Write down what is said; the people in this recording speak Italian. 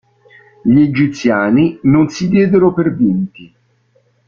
Gli egiziani non si diedero per vinti.